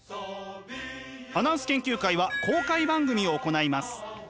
アナウンス研究会は公開番組を行います。